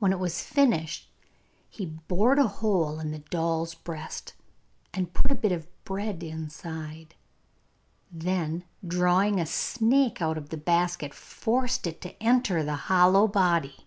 When it was finished he bored a hole in the doll's breast and put a bit of bread inside; then, drawing a snake out of the basket, forced it to enter the hollow body.